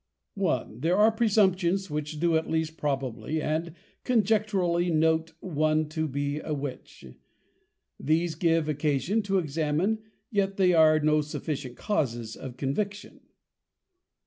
I. _There are +Presumptions+, which do at least probably and conjecturally note one to be a +Witch+. These give occasion to Examine, yet they are no sufficient Causes of Conviction.